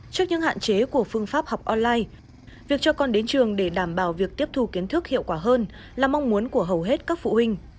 trước những hạn chế của phương pháp học online việc cho con đến trường để đảm bảo việc tiếp thu kiến thức hiệu quả hơn là mong muốn của hầu hết các phụ huynh